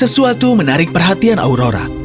sesuatu menarik perhatian aurora